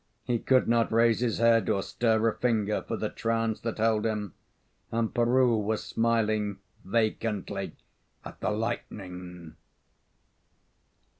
He could not raise his head or stir a finger for the trance that held him, and Peroo was smiling vacantly at the lightning.